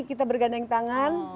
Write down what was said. kita bergandeng tangan